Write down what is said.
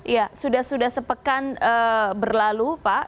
ya sudah sudah sepekan berlalu pak